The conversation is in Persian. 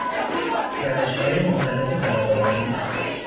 روشهای مختلف طبقه بندی